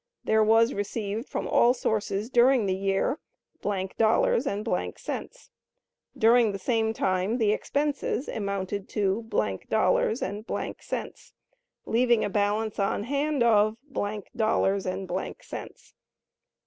There was received from all sources during the year, —— dollars and —— cents; during the same time the expenses amounted to —— dollars and —— cents, leaving a balance on hand of —— dollars and —— cents.